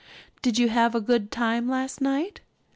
"Did you have a good time last night?